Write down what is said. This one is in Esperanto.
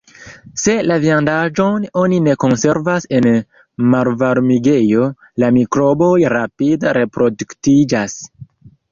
Se la viandaĵon oni ne konservas en malvarmigejo, la mikroboj rapide reproduktiĝas.